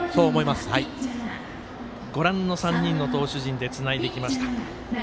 ご覧の３人の投手陣でつないできました。